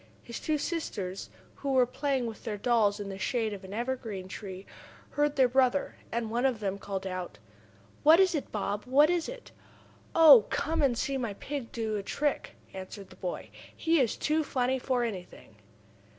His two sisters, who were playing with their dolls in the shade of an evergreen tree, heard their brother, and one of them called out: "What is it, Bob? What is it?" "Oh, come and see my pig do a trick!" answered the boy. "He is too funny for anything!"